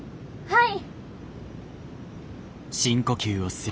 はい！